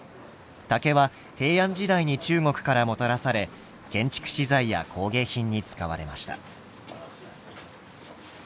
竹は平安時代に中国からもたらされ建築資材や工芸品に使われました。